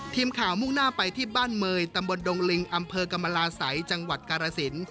มุ่งหน้าไปที่บ้านเมยตำบลดงลิงอำเภอกรรมลาศัยจังหวัดกาลสิน